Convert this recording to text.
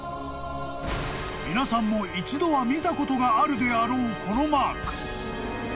［皆さんも一度は見たことがあるであろうこのマーク］